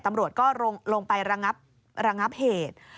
ตำรวจก็ลงไประงับเหตุ